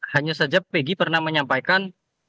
hanya saja peggy pernah menyampaikan